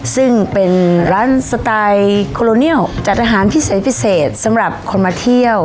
ซึ่งเป็นร้านสไตล์โคโลเนียลจัดอาหารพิเศษพิเศษสำหรับคนมาเที่ยว